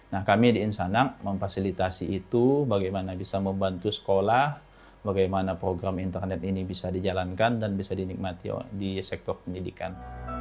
nah kami di insanak memfasilitasi itu bagaimana bisa membantu sekolah bagaimana program internet ini bisa dijalankan dan bisa dinikmati di sektor pendidikan